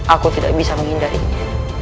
aku tidak bisa menghindarinya